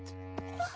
あっ。